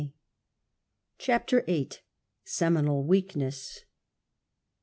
57 CHAPTER Ylir. Seminal Weakness.